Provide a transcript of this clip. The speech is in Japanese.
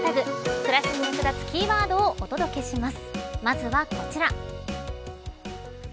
暮らしに役立つキーワードをお届けします。